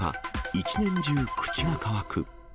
一年中口が渇く。